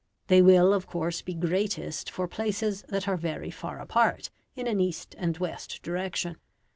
They will, of course, be greatest for places that are very far apart in an east and west direction.